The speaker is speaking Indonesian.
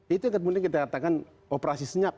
itu yang kemudian kita katakan operasi senyap